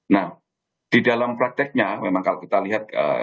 nah di dalam prakteknya memang kalau kita lihat